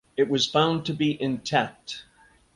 It was found to be intact.